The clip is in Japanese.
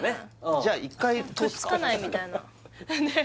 じゃあ一回くっつかないみたいなねえ